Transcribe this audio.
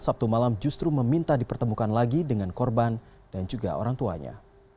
sabtu malam justru meminta dipertemukan lagi dengan korban dan juga orang tuanya